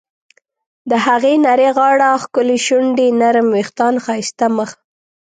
د هغې نرۍ غاړه، ښکلې شونډې ، نرم ویښتان، ښایسته مخ..